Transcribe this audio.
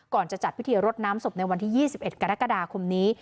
ก่อนจะจัดพิธีรดน้ำศพในวันที่๒๑กรกฎาคมนี้